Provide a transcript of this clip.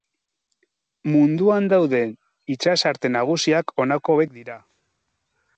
Munduan dauden itsasarte nagusiak honako hauek dira.